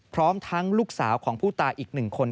พร้อมทั้งลูกสาวของผู้ตายอีก๑คน